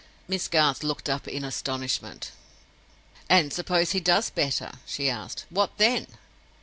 Miss Garth looked up in astonishment. "And suppose he does better?" she asked. "What then?"